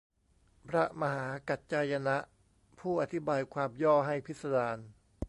พระมหากัจจายนะ ผู้อธิบายความย่อให้พิสดาร